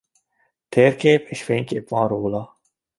Térkép és fénykép van róla.